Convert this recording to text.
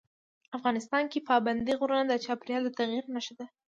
افغانستان کې پابندي غرونه د چاپېریال د تغیر نښه ده.